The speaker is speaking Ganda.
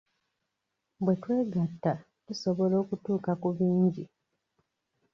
Bwe twegatta, tusobola okutuuka ku bingi.